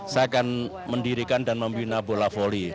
saya akan mendirikan dan membina bola volley